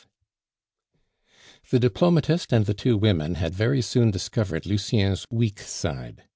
The diplomatist and the two women had very soon discovered Lucien's weak side.